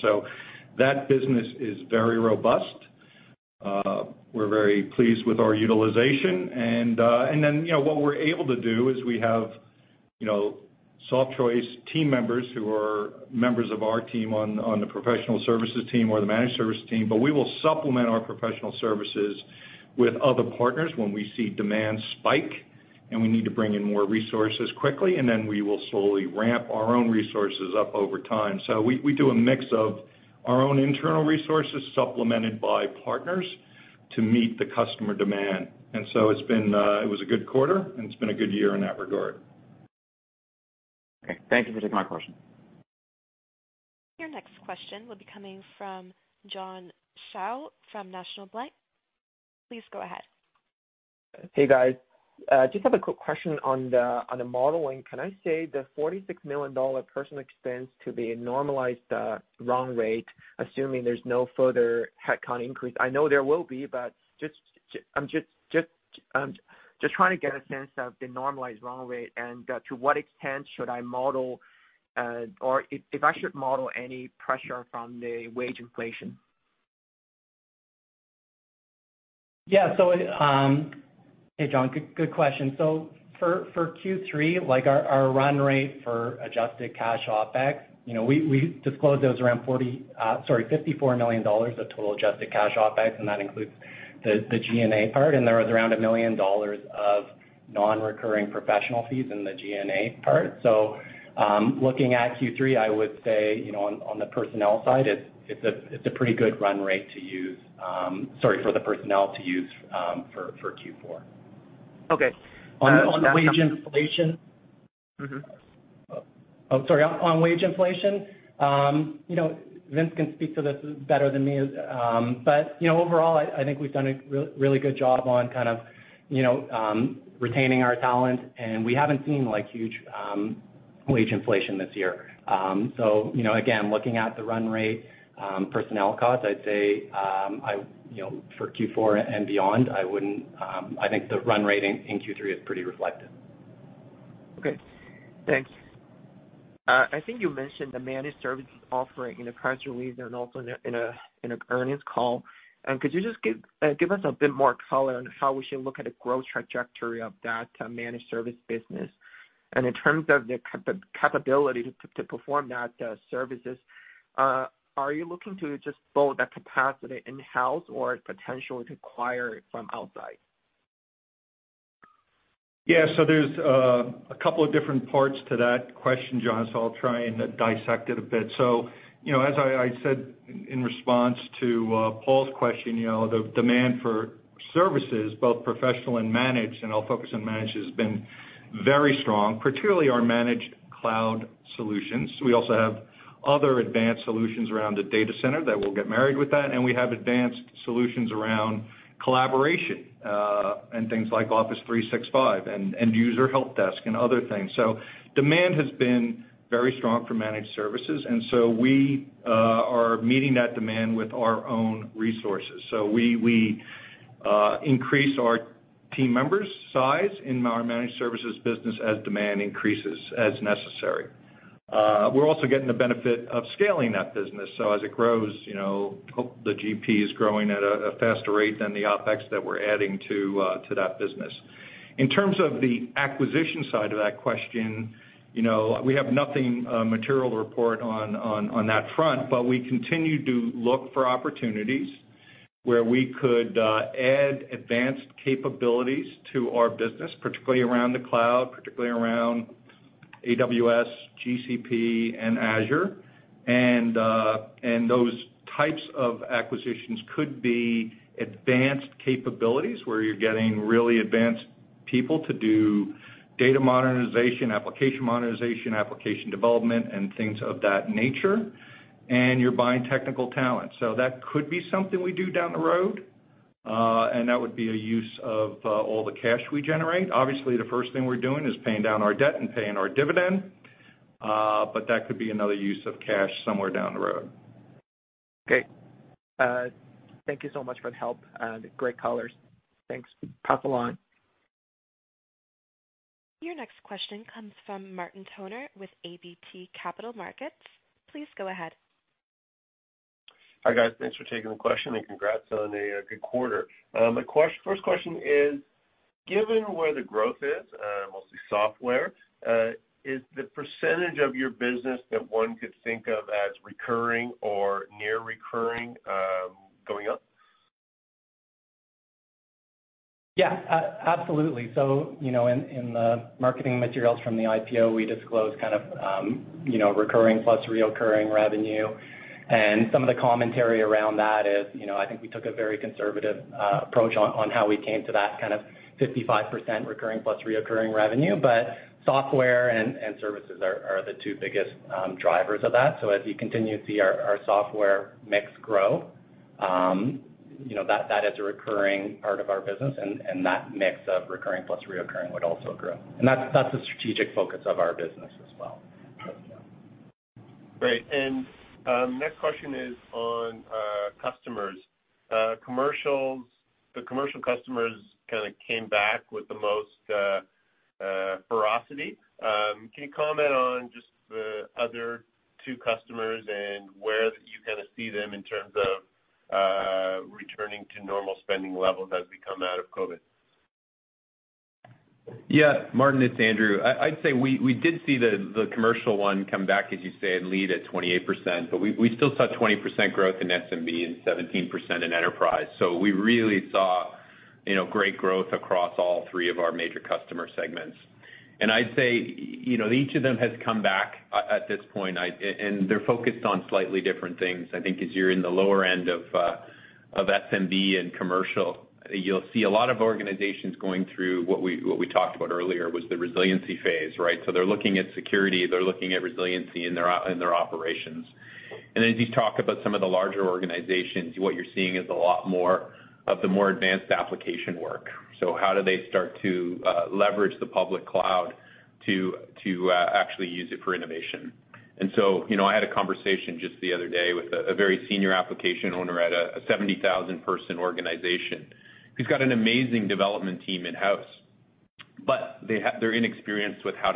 That business is very robust. We're very pleased with our utilization. You know, what we're able to do is we have, you know, Softchoice team members who are members of our team on the professional services team or the managed service team, but we will supplement our professional services with other partners when we see demand spike, and we need to bring in more resources quickly, and then we will slowly ramp our own resources up over time so we do a mix of our own internal resources supplemented by partners, to meet the customer demand. It's been, it was a good quarter, and it's been a good year in that regard. Okay. Thank you for taking my question. Your next question will be coming from John Shao from National Bank Financial. Please go ahead. Hey, guys. Just have a quick question on the modeling can I say the $46 million personnel expense to be a normalized run rate, assuming there's no further headcount increase? I know there will be, but I'm just trying to get a sense of the normalized run rate and to what extent should I model? or if I should model any pressure from the wage inflation. Hey, John. Good question. For Q3, our run rate for adjusted cash OpEx, you know, we disclosed $54 million of total adjusted cash OpEx, and that includes the SG&A part, and there was around $1 million of non-recurring professional fees in the SG&A part. Looking at Q3, I would say, you know, on the personnel side, it's a pretty good run rate to use for the personnel for Q4. Okay. On the wage inflation. Oh, sorry on wage inflation, you know, Vince can speak to this better than me. You know, overall, I think we've done a really good job on kind of retaining our talent, and we haven't seen like huge wage inflation this year. You know, again, looking at the run rate, personnel costs, I'd say, you know, for Q4 and beyond, I wouldn't. I think the run rate in Q3 is pretty reflective. Okay, thanks. I think you mentioned the managed services offering in the press release and also in an earnings call. Could you just give us a bit more color on how we should look at the growth trajectory of that managed service business? In terms of the capability to perform that services, are you looking to just build that capacity in-house or potentially acquire it from outside? Yeah, there's a couple of different parts to that question, John, so I'll try and dissect it a bit. You know, as I said in response to Paul's question, you know, the demand for services, both professional and managed, and I'll focus on managed, has been very strong, particularly our managed Cloud Solutions we also have other advanced solutions around the data center that will get married with that, and we have advanced solutions around collaboration and things like Office 365 and user helpdesk and other things. Demand has been very strong for managed services, and we are meeting that demand with our own resources so we increase our team members' size in our managed services business as demand increases, as necessary. We're also getting the benefit of scaling that business as it grows, you know, hope the GP is growing at a faster rate than the OpEx that we're adding to that business. In terms of the acquisition side of that question, you know, we have nothing material to report on that front we continue to look for opportunities, where we could add advanced capabilities to our business, particularly around the Cloud, particularly around AWS, GCP and Azure. Those types of acquisitions could be advanced capabilities, where you're getting really advanced people to do data modernization, application modernization, application development, and things of that nature, and you're buying technical talent so that could be something we do down the road, and that would be a use of all the cash we generate obviously, the first thing we're doing is paying down our debt and paying our dividend, but that could be another use of cash somewhere down the road. Okay. Thank you so much for the help and great colors. Thanks. Talk along. Your next question comes from Martin Toner with ATB Capital Markets. Please go ahead. Hi, guys. Thanks for taking the question, and congrats on a good quarter. First question is, given where the growth is, mostly software, is the percentage of your business that one could think of as recurring or near recurring, going up? Absolutely. In the marketing materials from the IPO, we disclose recurring plus recurring revenue. Some of the commentary around that is, I think we took a very conservative approach on how we came to that 55% recurring plus recurring revenue. Software and services are the two biggest drivers of that as you continue to see our software mix grow, that is a recurring part of our business, and that mix of recurring plus recurring would also grow. That's a strategic focus of our business as well. Great. Next question is on customers. Commercial customers kinda came back with the most ferocity? Can you comment on just the other two customers and where you kinda see them in terms of returning to normal spending levels as we come out of COVID? Yeah. Martin, it's Andrew. I'd say we did see the commercial one come back, as you say, and lead at 28%, but we still saw 20% growth in SMB and 17% in enterprise so we really saw, you know, great growth across all three of our major customer segments. I'd say, you know, each of them has come back at this point they're focused on slightly different things. I think as you're in the lower end of SMB and commercial, you'll see a lot of organizations going through what we talked about earlier, was the resiliency phase, right? They're looking at security they're looking at resiliency in their operations. As you talk about some of the larger organizations, what you're seeing is a lot more of the more advanced application work. How do they start to leverage the public Cloud to actually use it for innovation? I had a conversation just the other day with a very senior application owner at a 70,000-person organization. He's got an amazing development team in-house, but they're inexperienced with how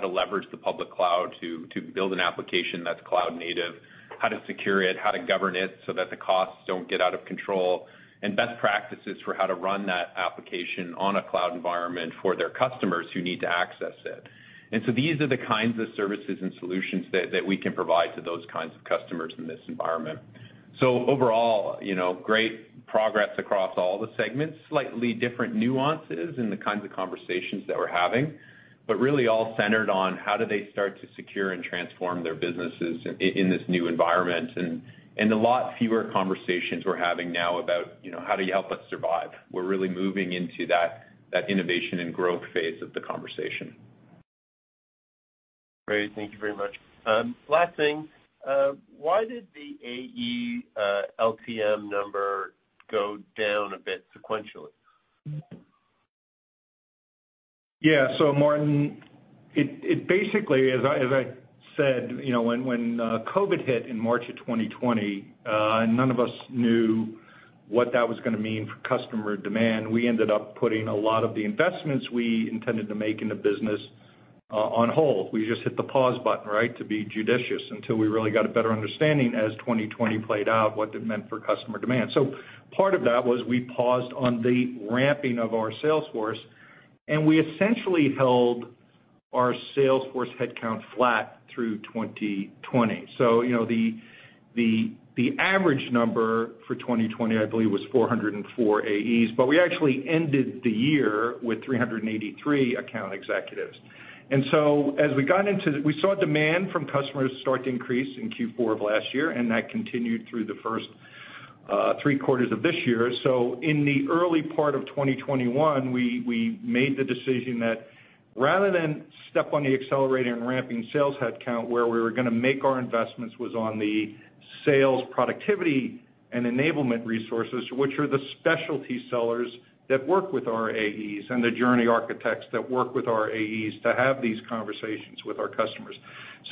to leverage the public Cloud to build an application that's Cloud native, how to secure it, how to govern it, so that the costs don't get out of control, and best practices for how to run that application on a Cloud environment for their customers who need to access it. These are the kinds of services and solutions that we can provide to those kinds of customers in this environment. Overall, you know, great progress across all the segments, slightly different nuances in the kinds of conversations that we're having, but really all centered on how do they start to secure and transform their businesses in this new environment. A lot fewer conversations we're having now about, you know, how do you help us survive? We're really moving into that innovation and growth phase of the conversation. Great. Thank you very much. Last thing. Why did the AE LTM number go down a bit sequentially? Yeah. Martin, it basically, as I said, you know, when COVID hit in March 2020, none of us knew what that was gonna mean for customer demand, we ended up putting a lot of the investments we intended to make in the business on hold. We just hit the pause button, right? To be judicious until we really got a better understanding as 2020 played out what it meant for customer demand. Part of that was we paused on the ramping of our sales force, and we essentially held our sales force headcount flat through 2020 so you know, the average number for 2020, I believe, was 404 AEs, but we actually ended the year with 383 account executives. We saw demand from customers start to increase in Q4 of last year, and that continued through the first three quarters of this year. In the early part of 2021, we made the decision that rather than step on the accelerator and ramping sales headcount, where we were gonna make our investments was on the sales productivity and enablement resources, which are the specialty sellers that work with our AEs and the journey architects that work with our AEs to have these conversations with our customers.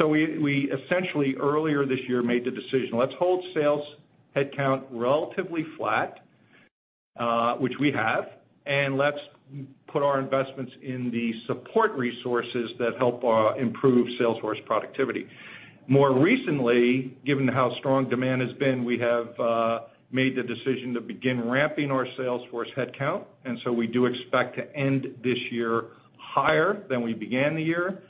We essentially earlier this year made the decision, let's hold sales headcount relatively flat, which we have, and let's put our investments in the support resources that help improve sales force productivity. More recently, given how strong demand has been, we have made the decision to begin ramping our sales force headcount, and so we do expect to end this year higher than we began the year.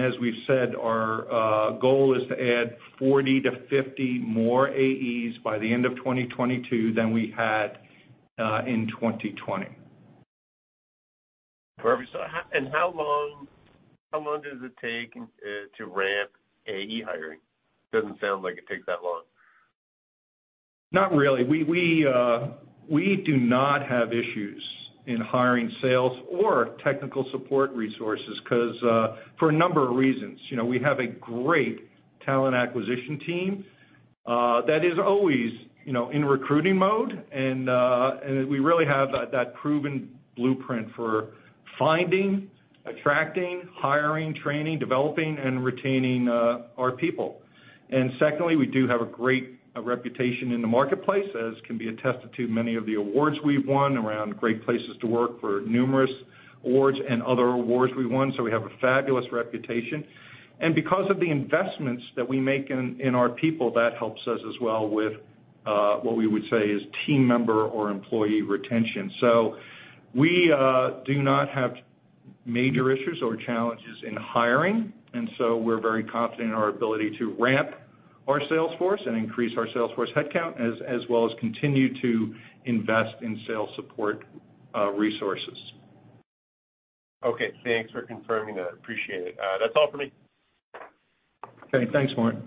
As we've said, our goal is to add 40 to 50 more AEs by the end of 2022 than we had in 2020. Perfect. How long does it take to ramp AE hiring? Doesn't sound like it takes that long. Not really. We do not have issues in hiring sales or technical support resources 'cause for a number of reasons. You know, we have a great talent acquisition team that is always, you know, in recruiting mode, and we really have that proven blueprint for finding, attracting, hiring, training, developing, and retaining our people. Secondly, we do have a great reputation in the marketplace, as can be attested to many of the awards we've won around Great Place to Work for numerous awards and other awards we won, so we have a fabulous reputation. Because of the investments that we make in our people, that helps us as well with what we would say is team member or employee retention. We do not have major issues or challenges in hiring, and we're very confident in our ability to ramp our sales force and increase our sales force headcount, as well as continue to invest in sales support resources. Okay. Thanks for confirming that. Appreciate it. That's all for me. Okay. Thanks, Martin.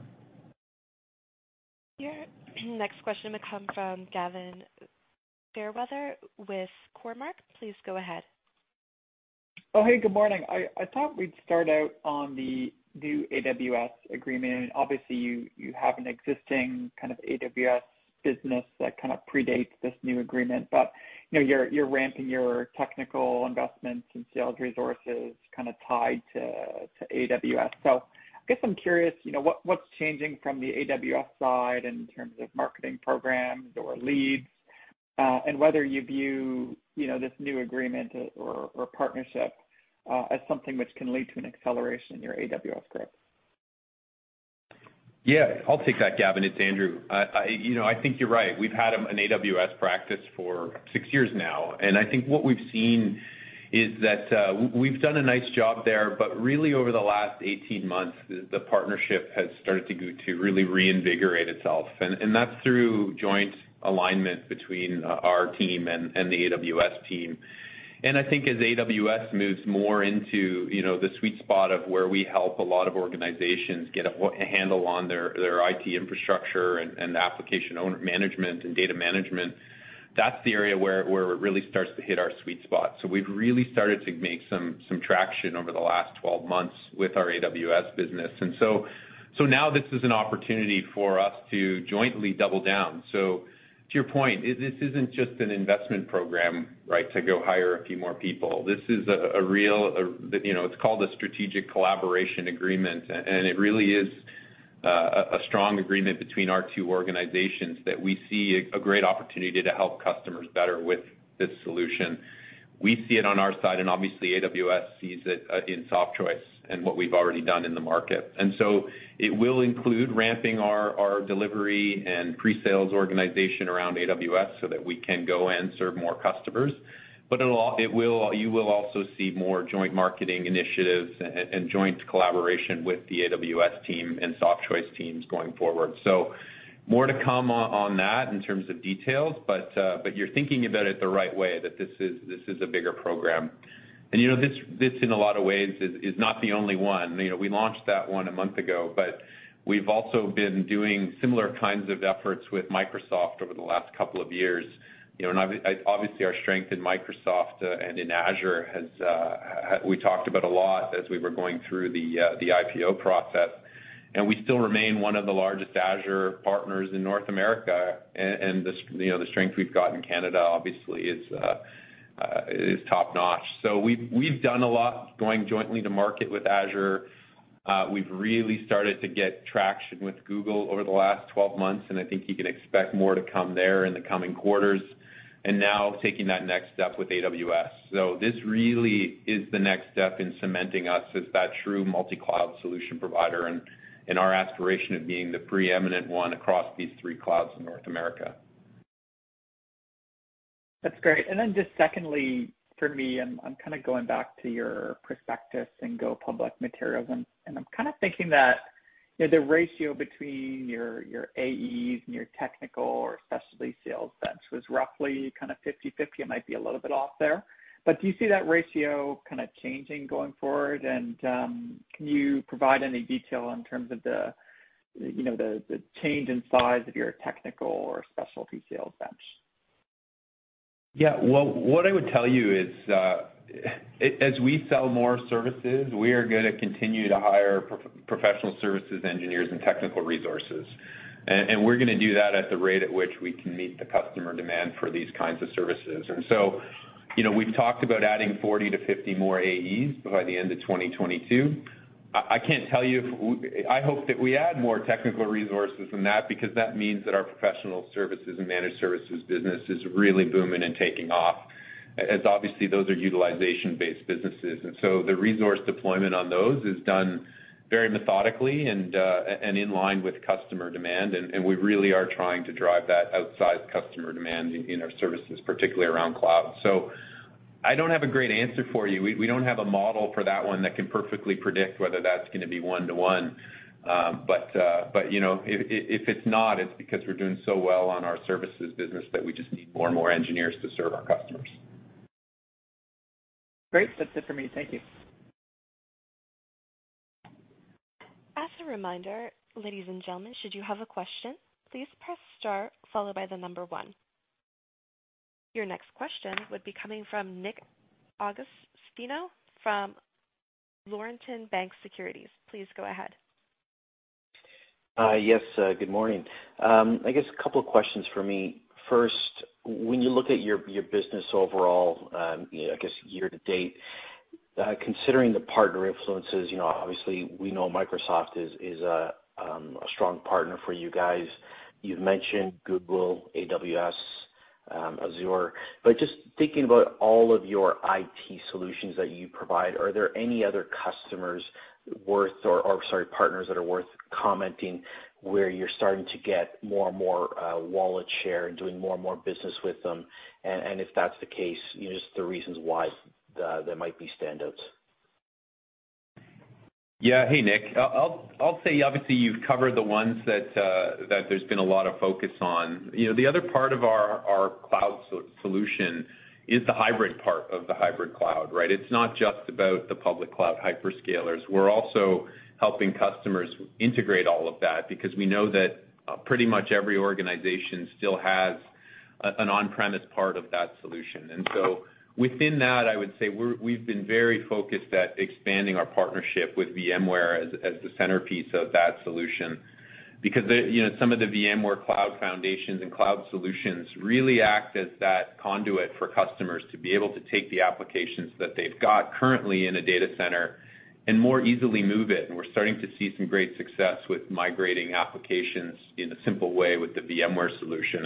Your next question will come from Gavin Fairweather with Cormark. Please go ahead. Oh, hey, good morning. I thought we'd start out on the new AWS agreement. Obviously, you have an existing kind of AWS business that kind of predates this new agreement. You know, you're ramping your technical investments and sales resources kinda tied to AWS. I guess I'm curious, you know, what's changing from the AWS side in terms of marketing programs or leads, and whether you view, you know, this new agreement or partnership, as something which can lead to an acceleration in your AWS growth. Yeah. I'll take that, Gavin. It's Andrew. You know, I think you're right. We've had an AWS practice for six years now, and I think what we've seen is that we've done a nice job there, but really over the last 18 months, the partnership has started to really reinvigorate itself and that's through joint alignment between our team and the AWS team. I think as AWS moves more into you know the sweet spot of where we help a lot of organizations get a handle on their IT infrastructure and application owner management and data management, that's the area where it really starts to hit our sweet spot so we've really started to make some traction over the last 12 months with our AWS business. Now this is an opportunity for us to jointly double down. To your point, this isn't just an investment program, right, to go hire a few more people. This is a real, you know, it's called a Strategic Collaboration Agreement, and it really is a strong agreement between our two organizations that we see a great opportunity to help customers better with this solution. We see it on our side, and obviously, AWS sees it in Softchoice and what we've already done in the market. It will include ramping our delivery and pre-sales organization around AWS so that we can go and serve more customers. But you will also see more joint marketing initiatives and joint collaboration with the AWS team and Softchoice teams going forward. More to come on that in terms of details, but you're thinking about it the right way, that this is a bigger program. This, in a lot of ways, is not the only one we launched that one a month ago, but we've also been doing similar kinds of efforts with Microsoft over the last couple of years. Obviously, our strength in Microsoft and in Azure, we talked about a lot as we were going through the IPO process. We still remain one of the largest Azure partners in North America. The strength we've got in Canada obviously is- -is top-notch we've done a lot going jointly to market with Azure. We've really started to get traction with Google over the last 12 months, and I think you can expect more to come there in the coming quarters, now taking that next step with AWS. This really is the next step in cementing us as that true multi-Cloud solution provider and our aspiration of being the preeminent one across these three Clouds in North America. That's great. Just secondly, for me, I'm kinda going back to your prospectus and go public materials i'm kinda thinking that, you know, the ratio between your AEs and your technical or specialty sales bench was roughly kinda 50/50 i might be a little bit off there. Do you see that ratio kinda changing going forward? Can you provide any detail in terms of the, you know, the change in size of your technical or specialty sales bench? Yeah. Well, what I would tell you is, as we sell more services, we are gonna continue to hire professional services engineers and technical resources. We're gonna do that at the rate at which we can meet the customer demand for these kinds of services. You know, we've talked about adding 40 to 50 more AEs by the end of 2022. I can't tell you. I hope that we add more technical resources than that because that means that our professional services and managed services business is really booming and taking off, as obviously those are utilization-based businesses and the resource deployment on those is done very methodically and in line with customer demand and we really are trying to drive that outsized customer demand in our services, particularly around Cloud. I don't have a great answer for you. We don't have a model for that one that can perfectly predict whether that's gonna be one-to-one. But you know, if it's not, it's because we're doing so well on our services business that we just need more and more engineers to serve our customers. Great. That's it for me. Thank you. As a reminder, ladies and gentlemen, should you have a question, please press star followed by the number one. Your next question would be coming from Nick Agostino from Laurentian Bank Securities. Please go ahead. Yes, good morning. I guess a couple questions for me. First, when you look at your business overall, you know, I guess year to date, considering the partner influences, you know, obviously we know Microsoft is a strong partner for you guys. You've mentioned Google, AWS, Azure. But just thinking about all of your IT solutions that you provide, are there any other customers worth or sorry, partners that are worth commenting where you're starting to get more and more wallet share and doing more and more business with them? If that's the case, you know, just the reasons why there might be standouts. Yeah. Hey, Nick. I'll say, obviously, you've covered the ones that there's been a lot of focus on. You know, the other part of our Cloud solution is the hybrid part of the Hybrid Cloud, right? It's not just about the public Cloud hyperscalers we're also helping customers integrate all of that because we know that pretty much every organization still has an on-premise part of that solution. Within that, I would say we've been very focused on expanding our partnership with VMware as the centerpiece of that solution. Because, you know, some of the VMware Cloud Foundations and Cloud Solutions really act as that conduit for customers to be able to take the applications that they've got currently in a data center and more easily move it we're starting to see some great success with migrating applications in a simple way with the VMware solution.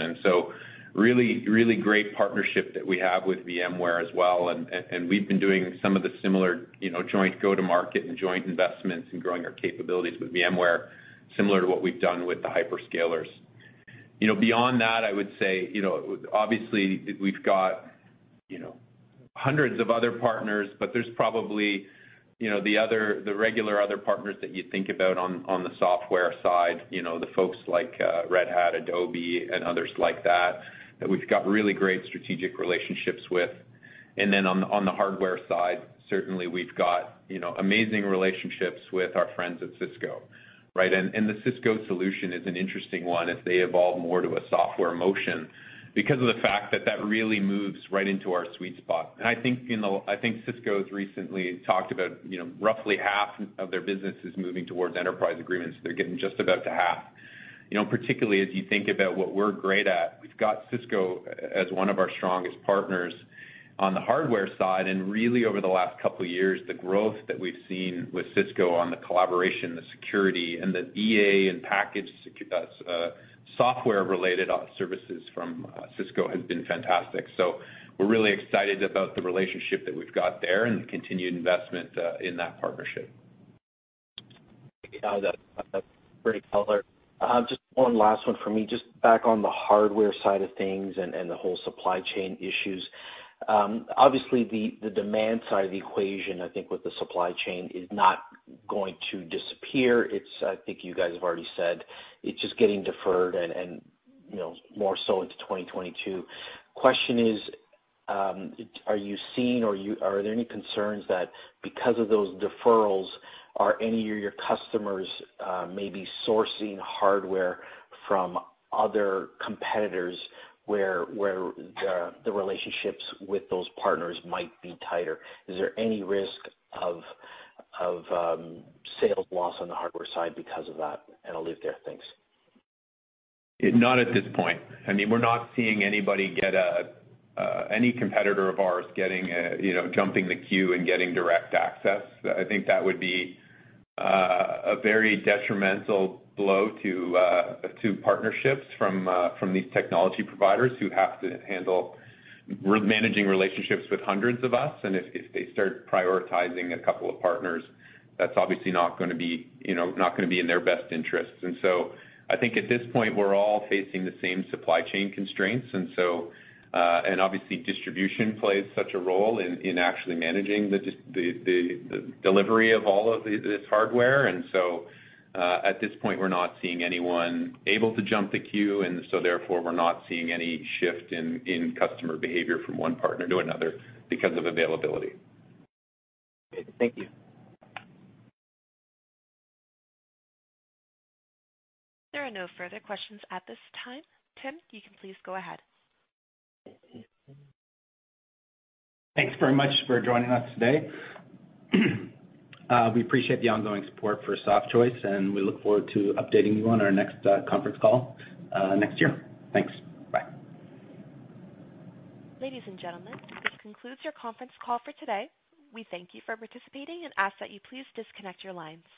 Really great partnership that we have with VMware as well and we've been doing some of the similar, you know, joint go-to-market and joint investments in growing our capabilities with VMware, similar to what we've done with the hyperscalers. You know, beyond that, I would say, you know, obviously we've got, you know, hundreds of other partners, but there's probably, you know, the other, the regular other partners that you think about on the software side, you know, the folks like Red Hat, Adobe, and others like that we've got really great strategic relationships with. On the hardware side, certainly we've got, you know, amazing relationships with our friends at Cisco, right? The Cisco solution is an interesting one as they evolve more to a software motion because of the fact that that really moves right into our sweet spot and i think, you know, Cisco's recently talked about, you know, roughly half of their business is moving towards enterprise agreements. They're getting just about half. You know, particularly as you think about what we're great at, we've got Cisco as one of our strongest partners on the hardware side and really over the last couple years, the growth that we've seen with Cisco on the collaboration, the security, and the EA and package software-related services from Cisco has been fantastic. We're really excited about the relationship that we've got there and the continued investment in that partnership. Yeah, that's great color. Just one last one for me, just back on the hardware side of things and the whole supply chain issues. Obviously the demand side of the equation, I think, with the supply chain is not going to disappear. I think you guys have already said it's just getting deferred and you know more so into 2022. Question is, are there any concerns that because of those deferrals, are any of your customers maybe sourcing hardware from other competitors where the relationships with those partners might be tighter? Is there any risk of sales loss on the hardware side because of that? I'll leave it there. Thanks. Not at this point. I mean, we're not seeing anybody get any competitor of ours getting you know jumping the queue and getting direct access. I think that would be a very detrimental blow to partnerships from these technology providers who have to handle managing relationships with hundreds of us if they start prioritizing a couple of partners, that's obviously not gonna be you know in their best interests. I think at this point, we're all facing the same supply chain constraints. Obviously, distribution plays such a role in actually managing the delivery of all of this hardware. At this point, we're not seeing anyone able to jump the queue, and so therefore we're not seeing any shift in customer behavior from one partner to another because of availability. Thank you. There are no further questions at this time. Tim, you can please go ahead. Thanks very much for joining us today. We appreciate the ongoing support for Softchoice, and we look forward to updating you on our next conference call next year. Thanks. Bye. Ladies and gentlemen, this concludes your conference call for today. We thank you for participating and ask that you please disconnect your lines.